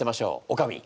おかみ。